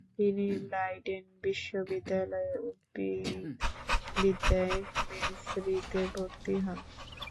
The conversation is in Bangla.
তিনি লাইডেন বিশ্ববিদ্যালয়ে উদ্ভিদবিদ্যায় মেজরিতে ভর্তি হন।